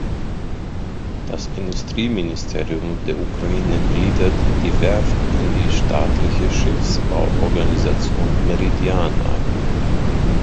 Das Industrieministerium der Ukraine gliederte die Werft in die staatliche Schiffbauorganisation "Meridian" ein.